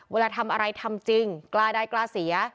เวลาทำอะไรทำจริงกล้าได้กล้าเสีย